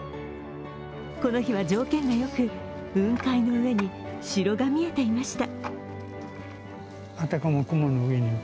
この日は条件がよく雲海の上に城が見えていました。